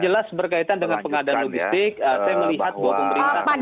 memang terawang ingredients menghadapi untung dari gereja semestinya